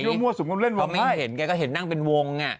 ก็ไม่เคยเห็นยังไงก็เห็นนั่งเป็นวง